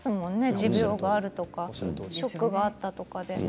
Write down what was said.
持病があるとかショックがあるとか。